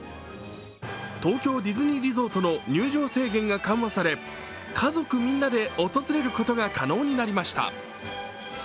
東京ディズニーリゾートの入場制限が緩和され家族みんなで訪れることが可能になりました。